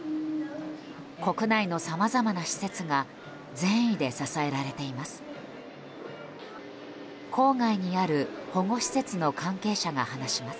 国内のさまざまな施設が善意で支えられています。